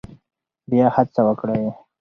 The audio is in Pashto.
بیا هڅه وکړئ.